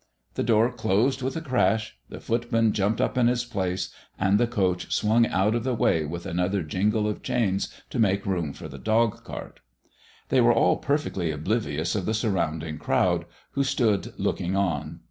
The door closed with a crash, the footman jumped up in his place, and the coach swung out of the way with another jingle of chains to make room for the dog cart. They were all perfectly oblivious of the surrounding crowd, who stood looking on.